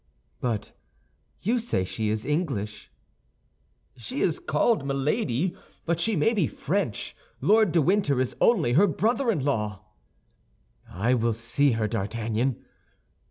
"But you say she is English?" "She is called Milady, but she may be French. Lord de Winter is only her brother in law." "I will see her, D'Artagnan!"